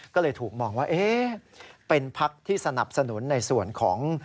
ก็เลยถูกมองว่าเป็นพักที่สนับสนุนในส่วนของ